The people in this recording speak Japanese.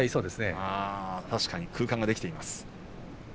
確かに空間ができています。